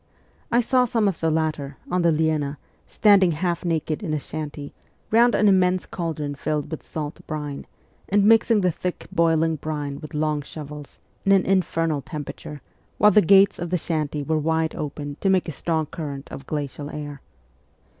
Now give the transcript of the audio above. I saw some of the latter, on the Lena, standing half naked in a shanty, round an immense cauldron filled with salt brine, and mixing the thick, boiling brine with long shovels, in an infernal temperature, while the gates of the shanty were wide open to make a strong current of glacial air.